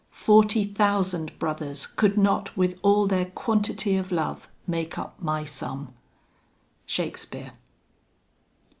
forty thousand brothers Could not, with all their quantity of love, Make up my sum. SHAKESPEARE.